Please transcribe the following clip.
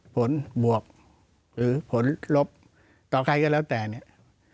บวกหรือผลลบต่อใครก็แล้วแต่เนี่ย